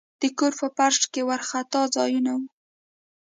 د کور په فرش کې وارخطا ځایونه وو.